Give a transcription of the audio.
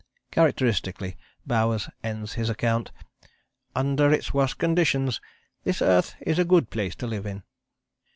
Characteristically Bowers ends his account: "Under its worst conditions this earth is a good place to live in."